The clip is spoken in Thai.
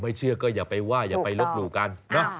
ไม่เชื่อก็อย่าไปว่าอย่าไปลุกกัน